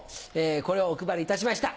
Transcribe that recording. これをお配りいたしました。